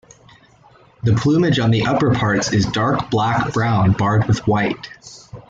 The plumage on the upper parts is dark black brown barred with white.